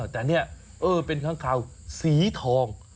แต่เนี่ยเออเป็นค้างคาวสีทอง